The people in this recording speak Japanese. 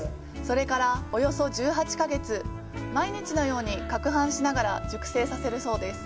それからおよそ１８か月、毎日のように攪拌しながら熟成させるそうです。